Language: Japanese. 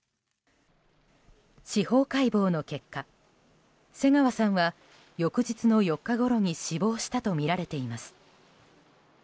司法解剖の結果、瀬川さんは翌日の４日ごろに死亡したとみられています。